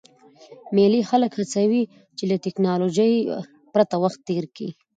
مېلې خلک هڅوي، چي له ټکنالوژۍ پرته وخت تېر کي.